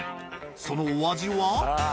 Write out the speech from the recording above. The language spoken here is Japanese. そのお味は？